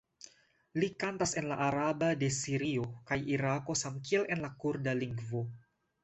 Li kantas en la araba de Sirio kaj Irako samkiel en la kurda lingvo.